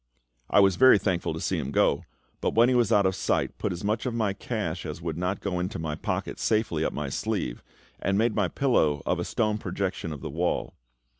I was very thankful to see him go, and when he was out of sight put as much of my cash as would not go into my pocket safely up my sleeve, and made my pillow of a stone projection of the wall.